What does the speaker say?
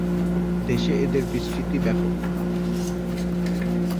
দেশে এদের বিস্তৃতি ব্যাপক।